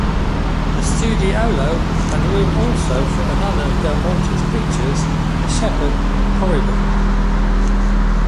The studiolo had room also for another of Del Monte's pictures, the Shepherd "Corydon".